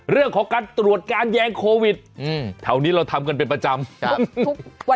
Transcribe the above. เรื่องของการตรวจการแยงโควิดแถวนี้เราทำกันเป็นประจำทุกวัน